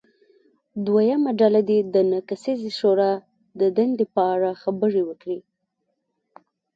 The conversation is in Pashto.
دویمه ډله دې د نهه کسیزې شورا د دندې په اړه خبرې وکړي.